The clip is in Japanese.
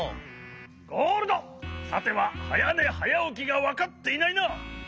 ゴールドさてははやねはやおきがわかっていないな？